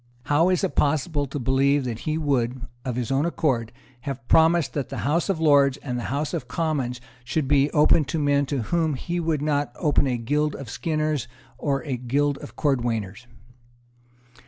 How is it possible to believe that he would, of his own accord, have promised that the House of Lords and the House of Commons should be open to men to whom he would not open a guild of skinners or a guild of cordwainers?